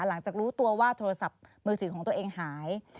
หลังจากรู้ตัวว่าโทรศัพท์มือถือของตัวเองหาย